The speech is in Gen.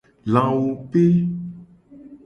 Lawupe.